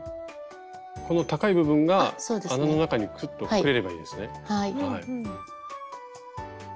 この高い部分が穴の中にクッと隠れればいいんですね。